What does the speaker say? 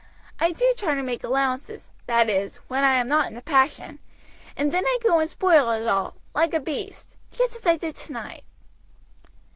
I do try to make allowances, that is, when I am not in a passion, and then I go and spoil it all, like a beast, just as I did tonight.